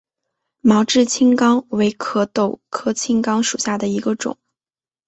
毛枝青冈为壳斗科青冈属下的一个种。